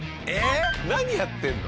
何やってるの？